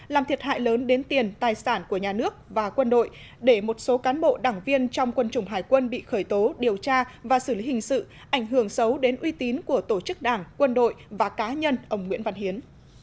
làm thiệt hại lớn đến tiền tài sản của nhà nước và quân đội để một số cán bộ đảng viên trong quân chủng hải quân bị khởi tố điều tra và xử lý hình sự ảnh hưởng xấu đến uy tín của tổ chức đảng quân đội và cá nhân ông nguyễn văn hiến